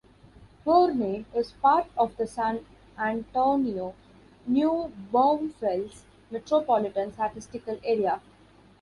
Boerne is part of the San Antonio-New Braunfels Metropolitan Statistical Area.